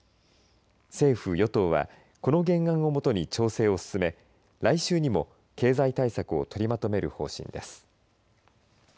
政府与党はこの原案をもとに調整を進め来週にも経済対策を取りまとめる方針です。